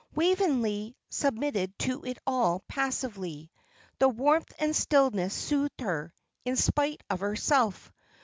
Waveney submitted to it all passively. The warmth and stillness soothed her, in spite of herself.